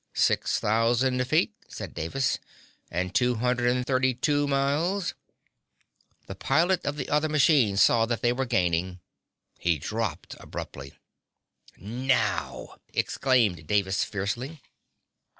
"Six thousand feet," said Davis again, "and two hundred and thirty two miles " The pilot of the other machine saw that they were gaining. He dropped abruptly. "Now!" exclaimed Davis fiercely.